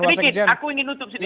sekitik aku ingin tutup sedikit